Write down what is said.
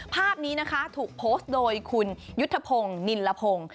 ภาพนี้นะคะถูกโพสต์โดยคุณยุทธพงศ์นิลพงศ์